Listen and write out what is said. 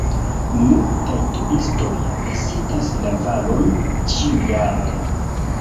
Multaj turistoj vizitas la valon ĉiujare.